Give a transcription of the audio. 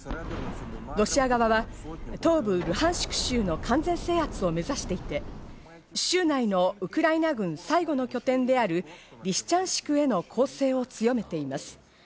ロシア側は東部ルハンシク州の完全制圧を目指していて、州内のウクライナ軍最後の拠点であるリシチャンシクへの攻勢を強めています。